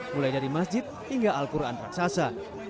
mulai dari masjid hingga al quran raksasa